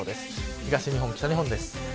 東日本、北日本です。